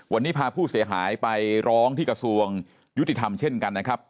วันนี้พาผู้เสียหายไปร้องที่กระทรวงยุติธรรมเช่นกันนะครับ